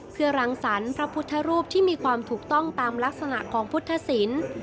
เพื่อรังสรรค์พระพุทธรูปที่มีความถูกต้องตามลักษณะของพุทธศิลป์